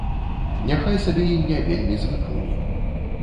Няхай сабе і не вельмі звыклымі.